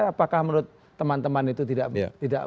apakah menurut teman teman itu tidak